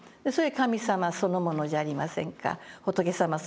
仏様そのものじゃありませんか。